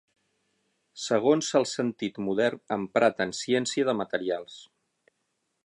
Segons el sentit modern emprat en Ciència de materials.